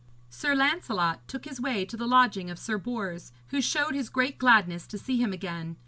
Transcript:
Sir Lancelot took his way to the lodging of Sir Bors, who showed his great gladness to see him again.